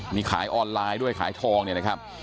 มีขายออนไลน์ด้วยขายทองเนี่ยนะครับ